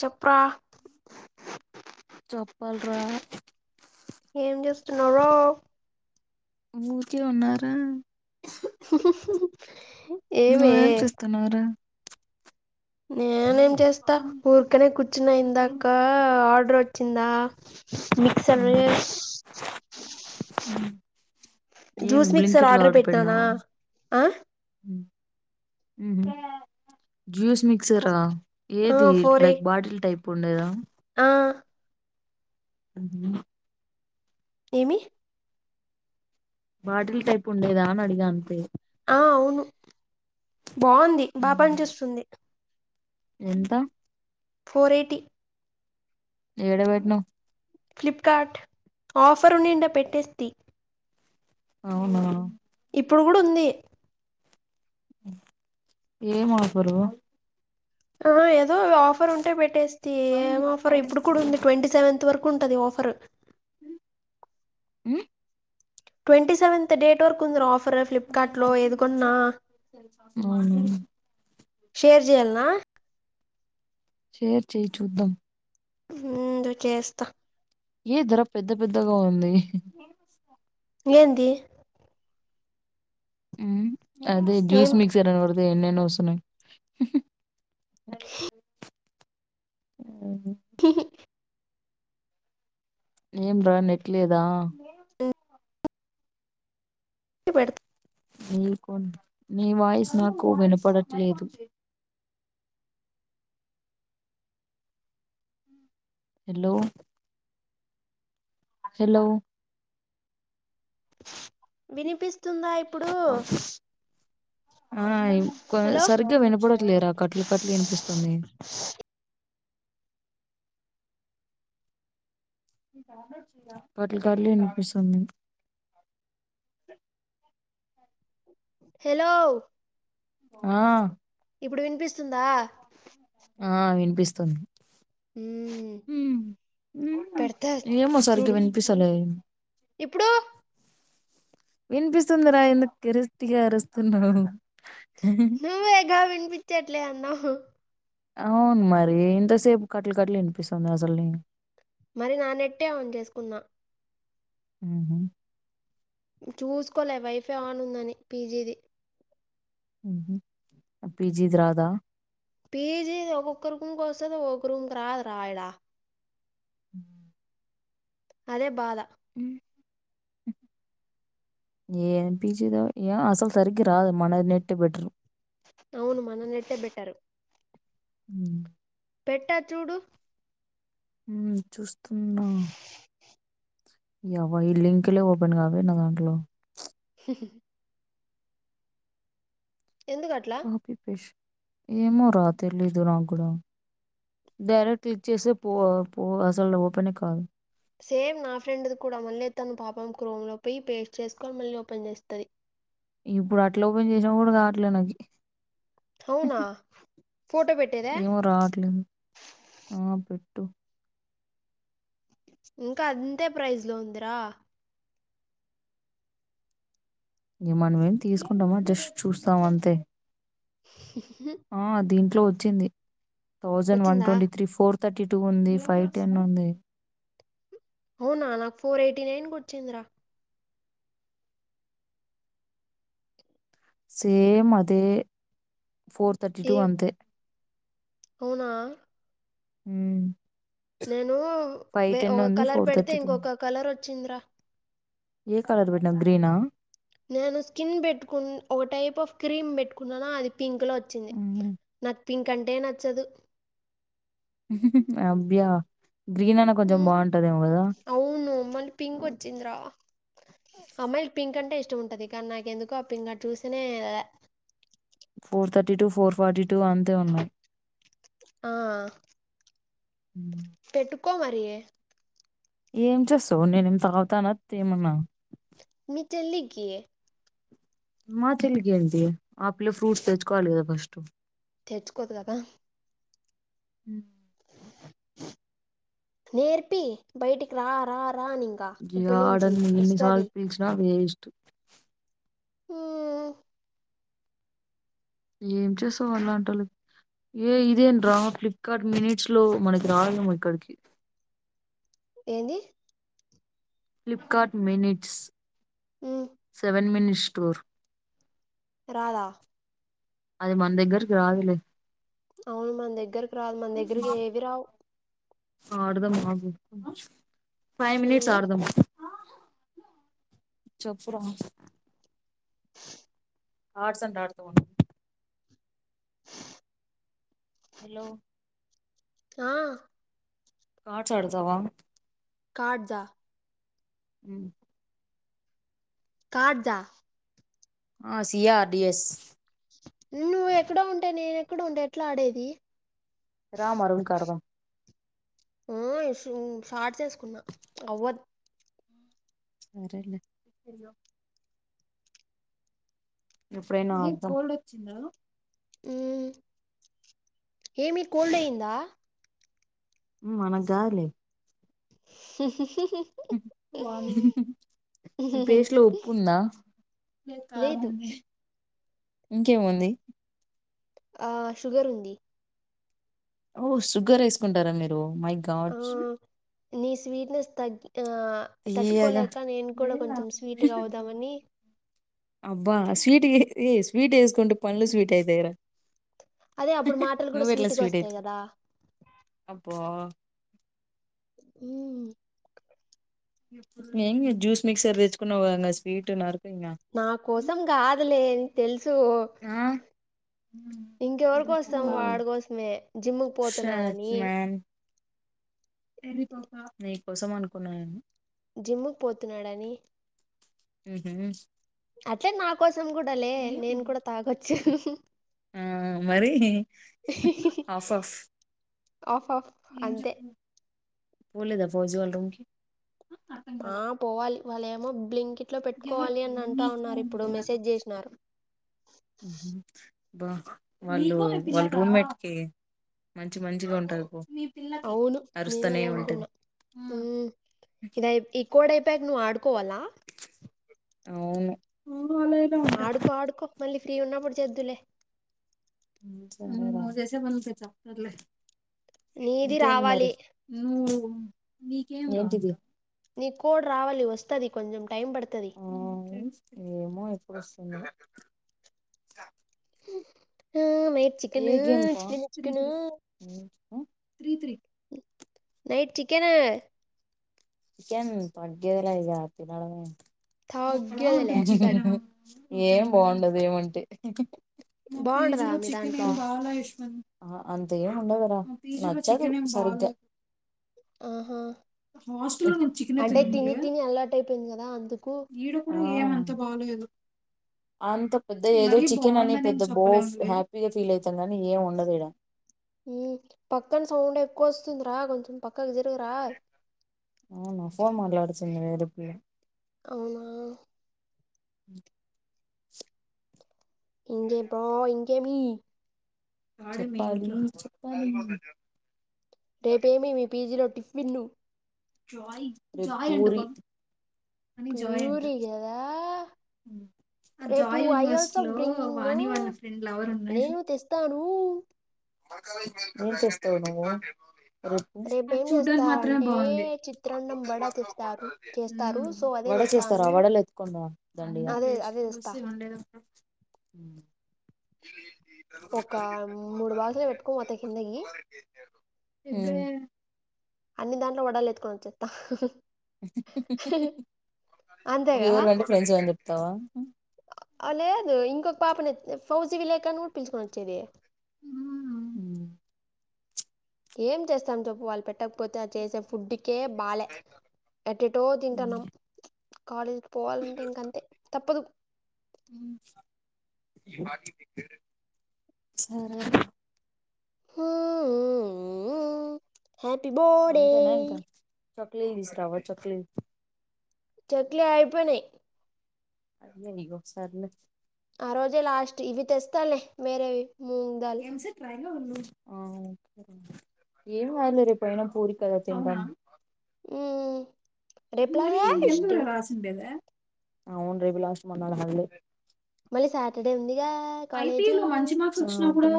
చెప్కా చెప్పాల్ రా ఏం చేస్తున్నావో ఊరికే ఉన్నారా ఏమే నువ్వేం చేస్తున్నావురా నేనేం చేస్తా ఊరికనే కూర్చున్నా ఇందాకా ఆర్డర్ వచ్చిందా మిక్స్. [unintelligible] ఏమి జ్యూస్ మిక్సర్ బ్లింకిట్ లో ఆర్డర్ పెట్టినానా ఆ ముహు జ్యూస్ మిక్సరా ఆ ఏది ఫోర్ ఎయి లైక్ బాటిల్ టైప్ ఉండేదా ఆ ఏమి బాటిల్ టైపు ఉండేదా అని అడిగా అంతే ఆ అవును బాగుంది బా పనిచేస్తుంది. ఎంత ఫోర్ ఎయిటీ ఏడ పెట్టినవ్ ఫ్లిప్కార్ట్ ఆఫర్ ఉన్నింటే పెట్టేస్తి అవునా ఇప్పుడు కూడ ఉంది. ఏం ఆఫరు ఆ ఏదో ఆఫర్ ఉంటే పెట్టేస్తి ఏం ఆఫరో ఇప్పుడు కూడ ఉంది ట్వంటీ సెవెంత వరకు ఉంటది ఆఫర్ ఆ ట్వంటీ సెవెంత్ డేట్ వరకు ఉంది ఆఫ ఆఫర్ ఫ్లిప్కార్ట లో ఏదికొన్నా అవును షేర్ చెయాల్న షేర్ చెయ్ చూద్దాం ముందు చేస్తా ఏ ధర పెద్ద పెద్దగా ఉంది ఏంది అదే ఏం జూస్ మిక్సర్ అని కొడితే ఎన్నెన్నో వస్తున్నయి [inaudible] ఆ హ ఏం రా నెట్లేదా పెడుత నీ కొ నీ వాయిస్ నాకు వినపడట్లేదు హలో హలో వినిపిస్తుందా ఇప్పుడు ఆ హలో సరిగ్గా వినపడట్లేరా కట్లు కట్లు వినిపిస్తుంది [inaudible] కట్లు కట్లు వినిపిస్తుంది హలో ఆ ఇప్పుడు వినిపిస్తుందా ఆ వినిపిస్తుంది అ ఏ మోసరిగ్గా వినిపిస్తలేదు ఇప్పుడు వినిపిస్తుందిరా ఇంతకు కిరిస్టిగా అరుస్తున్నావు ను వేగా విని పిచ్చట్లే అన్నావ్ అవును మరి ఇంతసేపు కట్టలు కట్లు వినిపిస్తుంది అసలుని మరి నానెట్టే ఆన్ చేసుకున్నా ఆ చూసుకోలే వైఫై ఆన్ ఉందని పీజీది పిజీది రాదా పీజీ ఒక్కొక్క రూమ్కి వస్తుంది ఒక్క రూమ్కి రాదు రా ఈడా హ అదే బాధ అ ఏ ఎంపీజీతో అసలు సరిగ్గి రాదు మనది నెట్టే బెటరు అవును మననెట్ట బెటరు ఉ పెట్ట చూడు ఉ చూస్తున్నా యవ ఈ లింక్లే ఓపెన్ కాలే నా దాంట్లో [inaudible] ఎందుకట్లా కాపీ పేష్ ఏమో రా తెలీదు నా కూడా డైరెట్ క్లిక్ చేస్తే పో పో అసలు ఓపనే కాదు సేమ్ నా ఫ్రెండ్ది కూడా మళ్ళీ తను పాపం క్రోమ్ లో పోయి పేస్ట్ చేసుకొని మళ్ళీ ఓపెన్ చేస్తది ఇప్పుడు అట్లా ఓపెన్ చేసినా కూడా గాట్లే నాకి అవునా ఫోటో పెట్టేదా ఏమో రాట్లేదు ఆ పెట్టు ఇంకా అంతే ప్రైజ్ లో ఉందిరా మనమే తీసుకుంటామా జస్ట్ చూస్తాం అంతే ఆ దీంట్లో వచ్చింది థౌజండ్ వన్ వచ్చిందా twenty three four thirty two ఉంది ఫైవ్ టెన్ ఉంది అవునా నాకు ఫోర్ ఎయిటీ నైన్ కి వచ్చింద్ర సేమ్ అదే ఫోర్ థర్టీ ఏ టూ అంతే అవునా హ్మ్ నేను ఒక కలర్ ఫోర్ పెడితే థర్టీ టూ ఇంకొక కలర్ వచ్చింద్రా ఏ కలర్ పెట్టినావ్ గ్రీనా నేను స్కిన్ పెట్టుకు ఒక టైప్ ఆఫ్ క్రీమ్ పెట్టుకున్నాన అది పింక్ లో వచ్చింది నాకు పింక్ అంటే నచ్చదు అబా గ్రీన్ అన్నా కొంచెం బాగుంటదేమో కదా ద్రా అమ్మాయిలకి పింక్ అంటె ఇష్టం ఉంటది కానీ నాకు ఎందుకో ఆ పింక్ అది చూస్తేనే four thirty two four forty two అంతే ఉంది ఆ ఉ పెట్టుకో మరి ఏం చేస్తవి నేనేం తాగుతాన తి ఏమన్నా మీ చెల్లి కి మా చెల్లికి ఏంటి ఆ ఫ్రూట్ తెచ్చుకోవాలి కదా ఫస్ట్ తెచ్చుకోకదా హ్మ్ నేర్పి బయటికి రా రా అని ఇంకా ఇప్పటి నుంచి రాదడి వస్తది ఏన్నిసార్లు పీలిచినా వేస్ట్ ఊ ఏం చేస్తావు అలాంటోలు ఏ ఇదేం డ్రామా ఫ్లిప్ ఇక్కడ మినిట్స్ లో మనకి రాలేము ఇక్కడికి ఏది ఫ్లిప్కార్ట్ మెనిట్స్ హ్మ్ సెవెన్ మనిట్ స్టోర్ రాధా అది మన దగ్గరకి రాదులే అవును మన దగ్గరకి రాదు మన దగ్గరకి ఏవి రావు ఆడధాం ఫైవ్ మినిట్స్ హ్మ్ ఆడదం చెప్పు రా కార్డ్స్ అంత ఆడతావా హలో ఆ కార్డ్స్ ఆడతావా కార్డ్జ అ కడ్జా ఆసియా ఆర్ డి ఎస్ నువ్వు ఎక్కడ ఉంటే నేన ఎక్కడ ఉంటే ఎట్లా ఆడేది రా మా రూమ్ కి ఆడుదాం ఆ షార్ట్ చేసుకున్నా అవ్వద్ సరే లే ఇప్పుడైనా ఆడదాం హ ఏమి కోల్డయందా మనకు కాదులే [inaudible] వాణి మీ పేస్టులో ఉప్పు ఉందా ఉప్పు లేదు కారం ఉంది ఇంకేముంది ఆ షుగర్ ఉంది ఓ షుగర్ వేసుకుంటారా మీరు మై గాడ్స్ ఆహ్, నీ స్వీట్నెస్ తగ్గి ఆ తీయగా తట్టుకోలేక నేను కూడా కొంచెం స్వీట్గా అవుదామని అబ్బా స్వీట్ ఏయ స్వీట్ వేసుకుంటే పళ్ళు స్వీట్ అయితరా అదే అప్పుడు మాటలు కూడా నువ్వెట్లా స్వీట్‌గా స్వీట్ వస్తాయి అయితు గదా! అబ్బా ఉ ఏ జూస్ మిసర్ తెచ్చుకున్నా స్వీట్ నా నా కోసం కాదులే నీ తెలుసు ఇంకా ఎవరి కోసం వాడి కోసమే జిమ్కి పోతున్నాడని పా నీ కోసం అనుకున్నాను జిమ్కు పోతున్నాడని హ అట్లే నా కోసం కూడా లే నేను కూడా తాగొచ్చు ఆ మరి నీ ఆఫ్ ఆఫ్ ఆఫ్ ఆఫ్ అంతే పోలేదా ఫౌజీ వాళ్ళ రూమ్ కి ఆ పోవాలి ఇ వాళ్ళ ఏమో బ్లేమ్ కి ఇట్లో పెట్టుకోవాలి అని అంటా ఉన్నారు ఇప్పుడు మెసేజ్ చేసినారు బా వాళ్ళు వాళ్ళ రూమ్మేట్ కి మంచి మంచి వంటలకు అవును నేను అదే అనుకున్నా హ ఇదై ఈ కోడ ప్యాగ్ నువ్ ఆడ్కోవాలా అవును ఆడుకో ఆడుకో మళ్ళీ ఫ్రీ ఉన్నప్పుడు చేద్దులే మజైస బన చప్పత లే నీది ఇంకేంటి మరి రావాలి ఏంటిది నీ కుడ్ రావాలి వస్తుది కొంచెం టైం పడుతది ఆ ఏమో ఎప్పుడొస్తుందో ఆ నైట్ ఏ చికెను గేమ్ పా chicken three chicken three night chicken [unintelligible] [unintelligible] తగ్గేదిలే అస్సలు ఏం బాగుండదు ఏమంటే ఫ్రిడ్జ్ బాగుంటదా లో మీ చికెన్ దాంట్లో కూడా [unintelligible] ఆ అంతేం ఉండవరా నచ్చావు సరిగ్గా ఆహా అంటే తిని తిని అలవాటైపోయింది కదా అందుకు ఈడెప్పుడు ఏమంత బాలేదు అంత పెద్ద ఏదో చికెన్ అని పెద్ద బోస్ హ్యాపీగా ఫీల్ అవుతాం గానీ ఏం ఉండదీడా హ్మ్మ్ పక్కన సౌండ్ ఎక్కువ వస్తుంది రా కొంచెం పక్కకు జరగరా అవునా సార్ మళ్ళా ఏడుస్తుంది వేడికి అవునా ఉ ఇంకే బా ఇంకేమీ చెప్పాలి చెప్పాలి రేపేమి మీ పీజీలో టిఫిన్ను వెజిటేరియన్ న్యూ జాయిన్ ప్యూరీ కదా ఉ ఆ రేపు జాయ్ ఐ యూనివర్సిటీ ఆల్సో లో బ్రింగింగ్ వాణి వాళ్ళ ఫ్రెండ్ లవర్ ఉన్నాడు నేను తెస్తాను ఏం చేస్తావు నువ్వు రేపు రేపేం తీసుకొచ్చేది మాత్రమే చేస్తారంటే బావుంది చిత్రాన్నం ఆచూడ్డానికి వడ మాత్రమే తెస్తారు బావుంది చేస్తారు హ్మ్మ్ సో అదే మూసేస్తార తెస్తాను ఆ వడలు ఎత్తుకొని అదే అదే తెస్తా [unintelligible] [inaudible] ఒక మూడు బాల్స్లు ఎత్తుకో బోత కిందకి [unintelligible] అన్ని దాంట్లో వడలు ఎత్తుకోని వచ్చేత్తా అంతేగా ఎవరు వంటే ఫ్రెండ్సని చెప్తావా అ లేదు ఇంకొక పాపని ఫౌజీ విలేకానూ పిలుచుకొని వచ్చేది హ్మ్మ్ ఏం చేస్తాం చప్పు వాళ్ళు పెట్టకపోతే అదిచేసే ఫుడ్ ఏం బాలె ఎటెట్టో తింటాన్నాం కాలేజ్ పోవాలంటే ఇంక అంతే తప్పదు హ్మ్మ్ సరేలే హ్యాపీ బర్త్డే ఒక కే జి తీసుకొని రావా చెక్లి చెక్లే అయిపోయినాయి అది గొసార్లు [unintelligible] ఆ రోజే లాస్ట్ ఇవి తెస్తాలే వేరేవి మూంగ్ దాల్ ఎంసెట్రాయి ఆ ఏం కాదులే రేపు ఏమైనా పూరి పాడు తిన్దం ఉ మరీ ఇంక ఎందుకు రా రాశుండేదే అవును రేపు లాస్ట్ మొన్నాడు హాలిడే మళ్ళీ సాటర్డే ఉందిగా కాలేజు ఇప్పుడు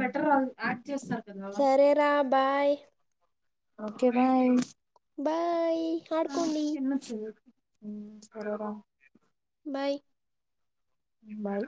బెటర్ యాక్ట్ చేస్తారు కదా సరేరా బాయ్ ఓకే బాయ్ బాయ్ ఆడ్కోండీ ఉమ్ సరే రా బాయ్ బాయ్